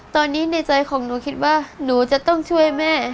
ตอนนี้ในใจของหนูคิดว่าหนูจะต้องช่วยแม่